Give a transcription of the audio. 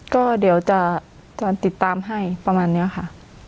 ก็เดี๋ยวจะติดตามให้ประมาณนี้ค่ะ